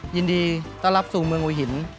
ยินดีต้อนรับสู่เมืองหัวหิน